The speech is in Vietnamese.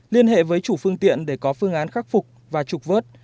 liên hệ với chủ phương tiện để có phương án khắc phục và trục vớt